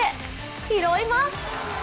拾います！